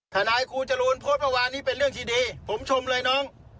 ทนายครูจรูนโพสต์เมื่อวานนี้เป็นเรื่องที่ดีผมชมเลยน้อง